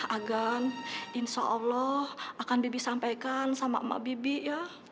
agan insya allah akan bibik sampaikan sama emak bibik ya